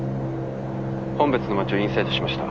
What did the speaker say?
本別の街をインサイトしました。